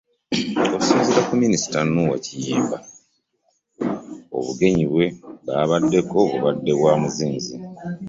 Okusinziira ku Minisita Noah Kiyimba, obugenyi bwe baabaddeko bubadde bwa muzinzi